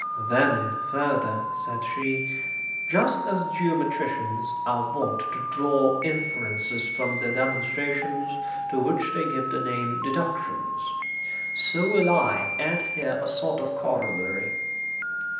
'Then, further,' said she, 'just as geometricians are wont to draw inferences from their demonstrations to which they give the name "deductions," so will I add here a sort of corollary.